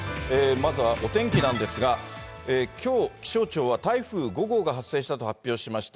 まずは、お天気なんですが、きょう気象庁は台風５号が発生したと発表しました。